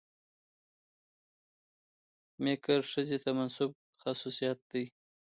مکر ښځې ته منسوب خصوصيت دى.